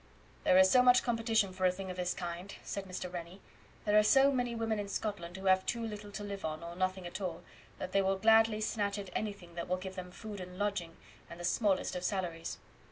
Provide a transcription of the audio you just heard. "There is so much competition for a thing of this kind," said Mr. Rennie. "There are so many women in Scotland who have too little to live on, or nothing at all, that they will gladly snatch at anything that will give them food and lodging, and the smallest of salaries.